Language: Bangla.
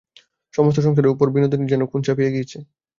সমস্ত সংসারের উপর বিনোদিনীর যেন খুন চাপিয়া গেছে।